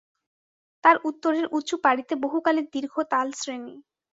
তার উত্তরের উঁচু পাড়িতে বহুকালের দীর্ঘ তালশ্রেণী।